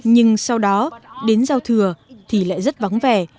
nhưng sau đó đến giao thừa thì lại rất vắng vẻ